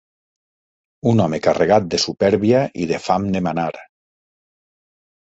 Un home carregat de supèrbia i de fam de manar.